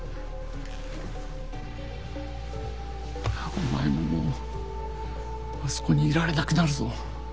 お前ももうあそこにいられなくなるぞ。